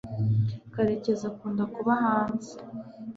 karekezi akunda kuba hanze